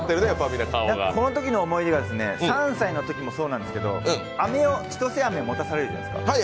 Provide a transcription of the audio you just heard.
このときの思い出が、３歳のときもそうなんですけど、千歳あめを持たされるじゃないですか。